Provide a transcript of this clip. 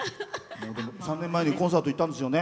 ３年前にコンサート行ったんですよね